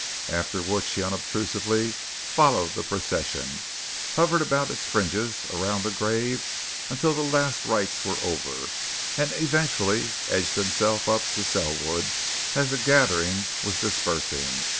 After which he unobtrusively followed the procession, hovered about its fringes around the grave until the last rites were over, and eventually edged himself up to Selwood as the gathering was dispersing.